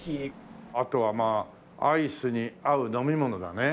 あとはアイスに合う飲み物だね。